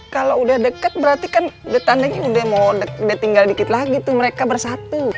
kalau udah deket berarti kan udah tandanya udah mau dia tinggal dikit lagi tuh mereka bersatu